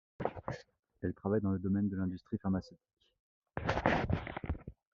Elle travaille dans le domaine de l'industrie pharmaceutique.